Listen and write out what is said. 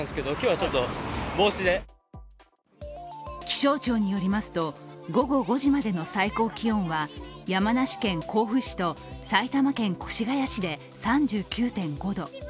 気象庁によりますと、午後５時までの最高気温は山梨県甲府市と、埼玉県越谷市で３９．５度。